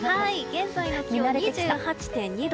現在の気温は２８．２度。